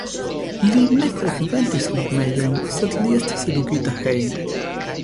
Li ne frekventis lernejojn, sed li estis edukita hejme.